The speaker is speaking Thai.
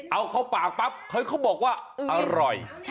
เอาเข้าปากปั๊บเขาบอกว่าอร่อย